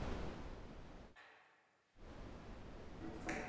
Jsou platné pro jízdu vlaku i pro posun.